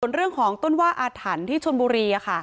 เรื่องของต้นว่าอาถรรพ์ที่ชนบุรี